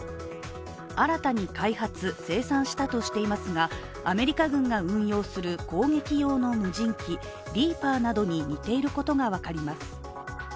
新たに開発・生産したとしていますが、アメリカ軍が運用する攻撃用の無人機リーパーなどに似ていることが分かります。